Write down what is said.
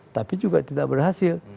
tapi juga tidak berhasil